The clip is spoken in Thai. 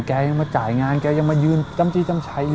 แกยังมาจ่ายงานแกยังมายืนจำจี้จ้ำชัยอยู่